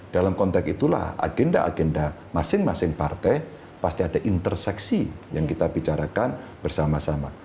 dalam konteks itulah agenda agenda masing masing partai pasti ada interseksi yang kita bicarakan bersama sama